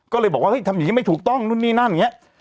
ก็เลยบอกว่าเฮ้ยทำอย่างนี้ไม่ถูกต้องนู่นนี่นั่นอย่างนี้